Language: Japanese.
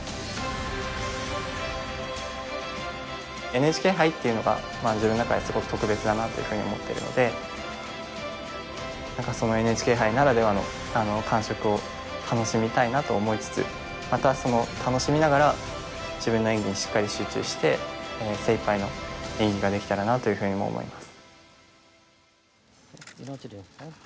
ＮＨＫ杯っていうのが自分の中ですごく特別だなというふうに思ってるのでそのＮＨＫ杯ならではの感触を楽しみたいなと思いつつまた楽しみながら自分の演技にしっかり集中して精いっぱいの演技ができたらなというふうにも思います。